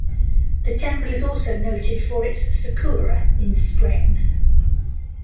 The temple is also noted for its "sakura" in spring.